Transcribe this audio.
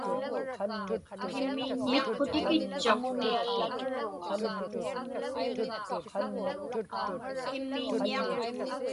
Mitqutikitchuq.